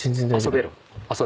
遊べる？